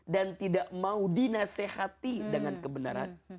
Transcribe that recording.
dan tidak mau dinasehati dengan kebenaran